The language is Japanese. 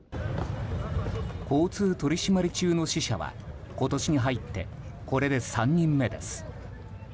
交通取り締まり中の死者は今年に入ってこれで３人目です。